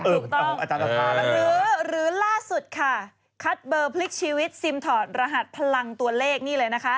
ถูกต้องหรือล่าสุดค่ะคัดเบอร์พลิกชีวิตซิมถอดรหัสพลังตัวเลขนี่เลยนะคะ